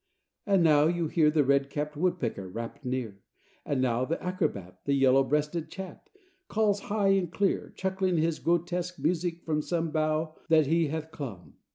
And now you hear The red capped woodpecker rap near; And now that acrobat, The yellow breasted chat, Calls high and clear, Chuckling his grotesque music from Some bough that he hath clomb.